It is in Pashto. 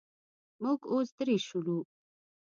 موږ اوس درې شولو.